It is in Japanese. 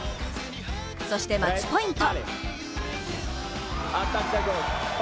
そしてマッチポイント。